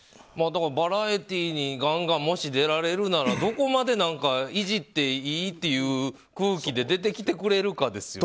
バラエティーにガンガンもし出られるならばどこまでいじっていいっていう空気で出てきてくれるかですよね。